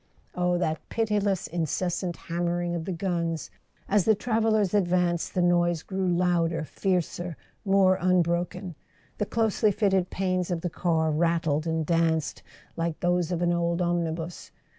Oh, that pitiless incessant hammering of the guns! As the travellers advanced the noise grew louder, fiercer, more unbroken; the closely fitted panes of the car rattled and danced like those of an old omnibus.